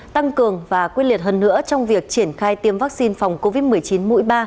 tăng cường và quyết liệt hơn nữa trong việc triển khai tiêm vaccine phòng covid một mươi chín mũi ba